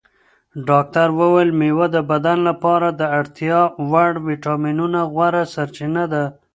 ډاکتر وویل مېوه د بدن لپاره د اړتیا وړ ویټامینونو غوره سرچینه ده.